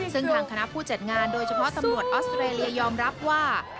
ซึ่งทางคณะผู้จัดงานโดยเฉพาะตำรวจออสเตรเลียยอมรับว่า